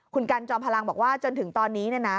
คุณกันจอมพลังบอกว่าจนถึงตอนนี้